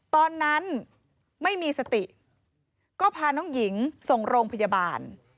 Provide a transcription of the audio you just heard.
ตอนนั้นไม่มีสติก็พาน้องหญิงส่งโรงพยาบาล